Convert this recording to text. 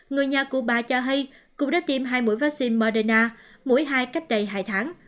người nhà cụ bà cho hay cũng đã tiêm hai mũi vaccine moderna mũi hai cách đầy hai tháng